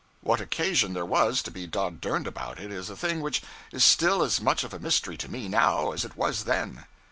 What occasion there was to be dod derned about it is a thing which is still as much of a mystery to me now as it was then.